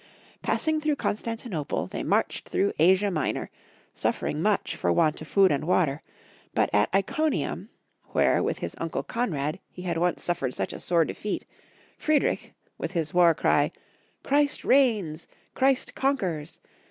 Passing through Constanti nople, they marched through Asia Minor, suffering 146 Toung Folks'^ Histort/ of Germany. much for want of food and water, but at Iconium, where with his uncle Konrad he had once suffered such a sore defeat, Friedrich, mth his war cry, "Christ reigns I Christ conquers!"